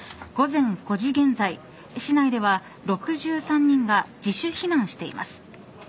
午前５時現在、市内では６３人が自主避難しています。